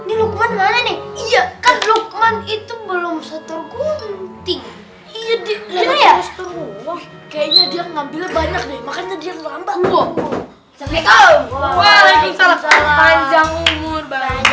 itu belum setel gunting kayaknya dia ngambil banyak makanya dia lambat